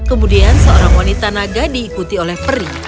kemudian seorang wanita naga diikuti oleh peri